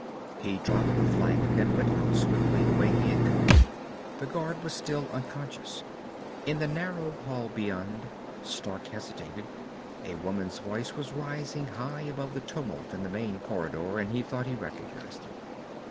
He dropped the flagon and went out swiftly, the way he had come. The guard was still unconscious. In the narrow hall beyond, Stark hesitated. A woman's voice was rising high above the tumult in the main corridor, and he thought he recognized it.